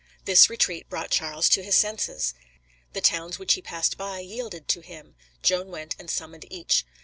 This retreat brought Charles to his senses. The towns which he passed by yielded to him; Joan went and summoned each.